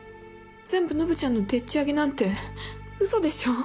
全部ノブちゃんのでっち上げなんて嘘でしょう？